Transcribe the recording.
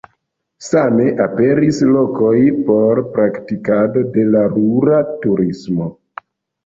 Same aperis lokoj por praktikado de la rura turismo.